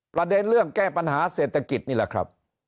ประเด็นเรื่องแก้ปัญหาเศรษฐกิจนี่แหละครับ